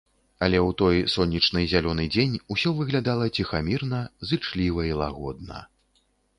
Але ў той сонечны зялёны дзень усё выглядала ціхамірна, зычліва і лагодна.